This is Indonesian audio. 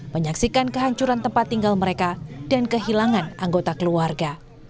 menyaksikan kehancuran tempat tinggal mereka dan kehilangan anggota keluarga